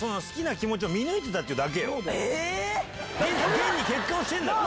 ⁉現に結婚してんだから。